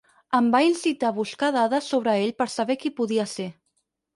Em va incitar a buscar dades sobre ell per saber qui podia ser.